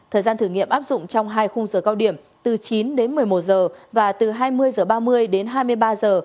thời gian thử nghiệm áp dụng trong hai khung giờ cao điểm từ chín đến một mươi một giờ và từ hai mươi giờ ba mươi đến hai mươi ba giờ